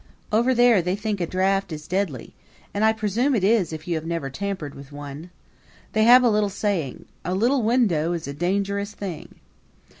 Over there they think a draft is deadly, and I presume it is if you have never tampered with one. They have a saying: A little window is a dangerous thing.